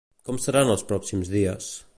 Com seran els pròxims dies?